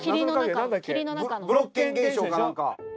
ブロッケン現象か何か。